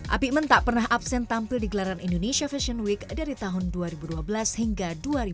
apikmen tak pernah absen tampil di gelaran indonesia fashion week dari tahun dua ribu dua belas hingga